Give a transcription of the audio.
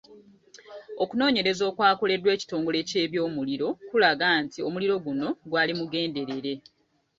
Okunnoonyereza okwakoleddwa ekitongole ky'ebyomuliro kulaga nti omuliro guno gwali mugenderere.